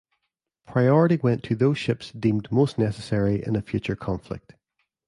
Priority went to those ships deemed most necessary in a future conflict.